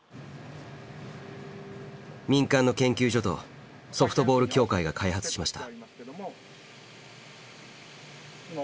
民間の研究所とソフトボール協会が開発しました。